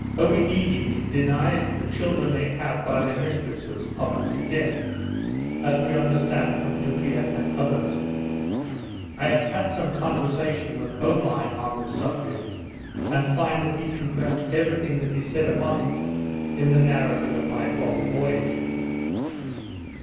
Oedidee denies that the children they have by their mistresses are put to death, as we understood from Tupia and others. I have had some conversation with Omai on this subject, and find that he confirms every thing that is said upon it in the narrative of my former voyage.